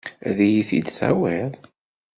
Ad iyi-t-id-tawiḍ?